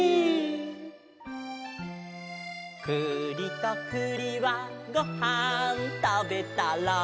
「くりとくりはごはんたべたら」